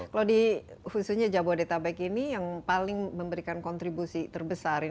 kalau di khususnya jabodetabek ini yang paling memberikan kontribusi terbesar